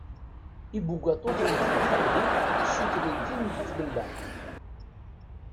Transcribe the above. Ibugaṭuten n temḥaddit ssutren tin tmella.